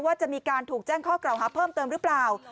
ว่าจะมีการถูกแจ้งข้อกล่าวหาเพิ่มเติมหรือเปล่า